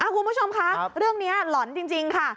คุณผู้ชมคะเรื่องนี้หล่อนจริงค่ะ